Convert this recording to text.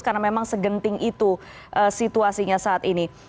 karena memang segenting itu situasinya saat ini